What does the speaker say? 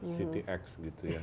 city x gitu ya